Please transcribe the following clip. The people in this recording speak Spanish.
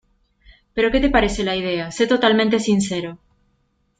Pero... ¿Qué te parece la idea? Sé totalmente sincero.